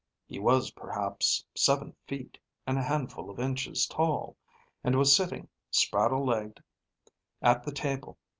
He was perhaps seven feet and a handful of inches tall, and was sitting, spraddle legged, at the table.